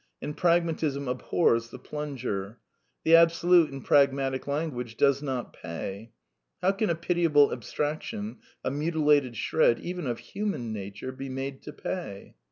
And Pragmatism abhors the plunger. The Absolute, in pragmatic language, " does not pay." How can a ^* pitiable abstraction," a *' mutilated shred," even of " human " nature, be made to pay?